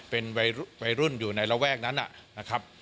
เป็นวัยรุ่นอยู่ในระแวกนั้นนะครับ